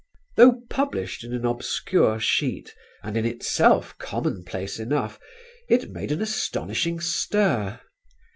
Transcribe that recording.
Though published in an obscure sheet and in itself commonplace enough it made an astonishing stir.